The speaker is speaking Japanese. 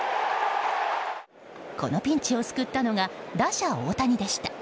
このピンチを救ったのが打者・大谷でした。